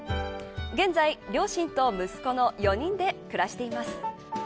現在、両親と息子の４人で暮らしています。